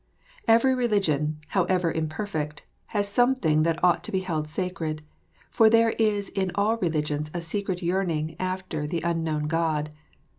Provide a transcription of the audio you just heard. Every religion, however imperfect, has something that ought to be held sacred, for there is in all religions a secret yearning after the unknown God.